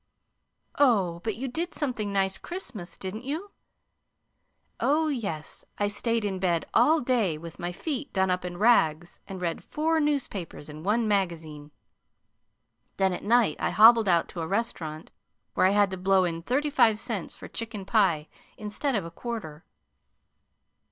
"Oh, but you did something nice Christmas, didn't you?" "Oh, yes. I stayed in bed all day with my feet done up in rags and read four newspapers and one magazine. Then at night I hobbled out to a restaurant where I had to blow in thirty five cents for chicken pie instead of a quarter."